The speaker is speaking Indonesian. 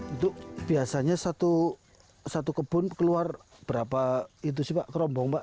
itu biasanya satu kebun keluar berapa itu sih pak kerombong pak